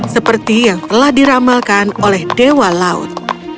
seperti yang telah diramalkan oleh dewa laut